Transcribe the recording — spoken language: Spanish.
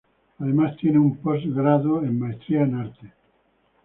Además tiene un post grado de Maestría en Artes.